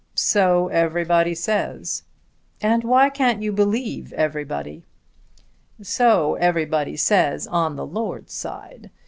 "So everybody says." "And why can't you believe everybody?" "So everybody says on the lord's side.